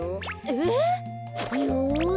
えっ！よし。